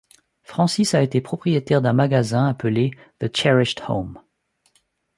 Francis a été propriétaire d'un magasin appelé The Cherished Home.